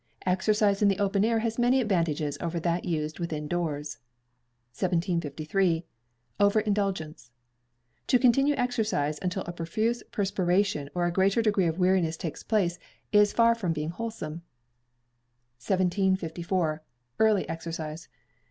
Exercise in the open air has many advantages over that used within doors. 1753. Over Indulgence. To continue exercise until a profuse perspiration or a great degree of weariness takes place, is far from being wholesome. 1754. Early Exercise.